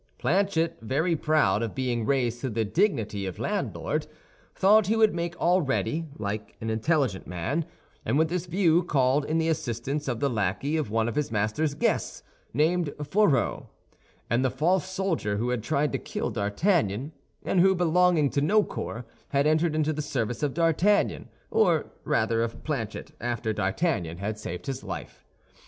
Planchet, very proud of being raised to the dignity of landlord, thought he would make all ready, like an intelligent man; and with this view called in the assistance of the lackey of one of his master's guests, named Fourreau, and the false soldier who had tried to kill D'Artagnan and who, belonging to no corps, had entered into the service of D'Artagnan, or rather of Planchet, after D'Artagnan had saved his life.